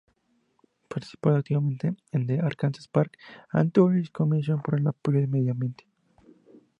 Participó activamente en the Arkansas Parks and Tourism Commission por el apoyo al medioambiente.